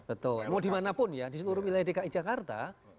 betul mau dimanapun ya di seluruh wilayah dki jakarta